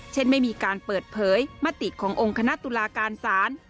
ไม่มีการเปิดเผยมติขององค์คณะตุลาการศาล